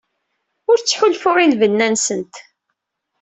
Ur ttḥulfuɣ i lbenna-nsent.